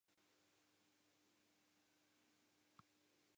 Dimje lampen.